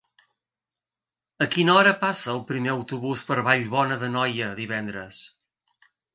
A quina hora passa el primer autobús per Vallbona d'Anoia divendres?